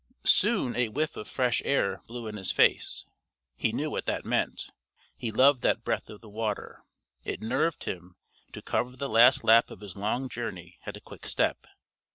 Soon a whiff of fresh air blew in his face. He knew what that meant; he loved that breath of the water; it nerved him to cover the last lap of his long journey at a quick step.